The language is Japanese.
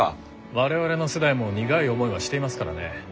我々の世代も苦い思いはしていますからね。